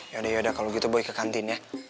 yaudah yaudah kalau gitu balik ke kantin ya